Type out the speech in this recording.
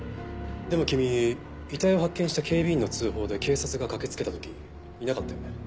でも君遺体を発見した警備員の通報で警察が駆けつけた時いなかったよね？